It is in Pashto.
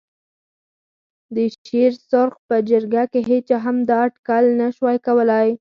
د شېر سرخ په جرګه کې هېچا هم دا اټکل نه شوای کولای.